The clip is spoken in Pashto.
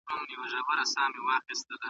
نه، ډیر ساده کار دی.